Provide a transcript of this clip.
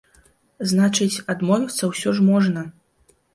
Значыць, адмовіцца ўсё ж можна!